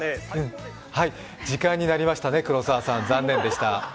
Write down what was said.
時間になりましたね、黒澤さん、残念でした。